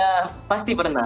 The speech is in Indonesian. ya pasti pernah